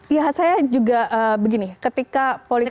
ya saya juga begini ketika politik